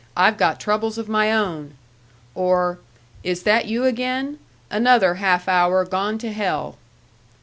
I've got troubles of my own!" or, "Is that you again? Another half hour gone to hell!"